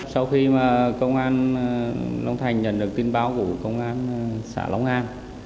sau khi công an long thành nhận được tin báo của công an xã long an